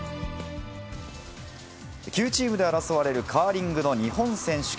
９チームで争われる、カーリングの日本選手権。